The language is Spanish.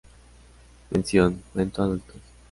Mención, cuento adultos.